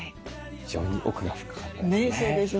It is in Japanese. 非常に奥が深かったですね。